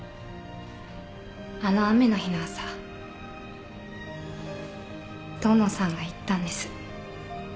あの雨の日の朝遠野さんが言ったんです。